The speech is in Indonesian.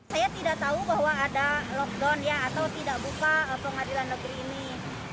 saya tidak tahu bahwa ada lockdown ya atau tidak buka pengadilan negeri ini